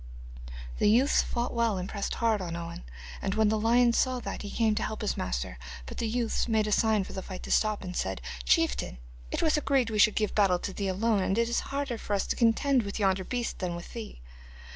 The youths fought well and pressed hard on Owen, and when the lion saw that he came to help his master. But the youths made a sign for the fight to stop, and said: 'Chieftain, it was agreed we should give battle to thee alone, and it is harder for us to contend with yonder beast than with thee.